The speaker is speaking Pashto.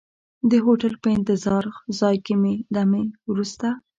د هوټل په انتظار ځای کې دمې وروسته.